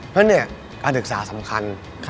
เพราะฉะนั้นการศึกษาสำคัญ